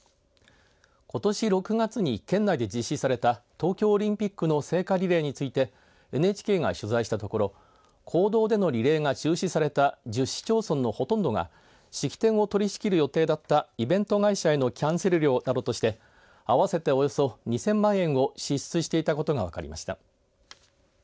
ことし６月に県内で実施された東京オリンピックの聖火リレーについてＮＨＫが取材したところ公道でのリレーが中止された１０市町村のほとんどが式典を取り仕切る予定だったイベント会社へのキャンセル料などとして合わせて、およそ２０００万円を支出していたことが分かりました。